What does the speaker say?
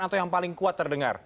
atau yang paling kuat terdengar